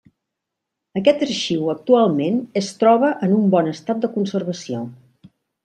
Aquest arxiu actualment es troba en un bon estat de conservació.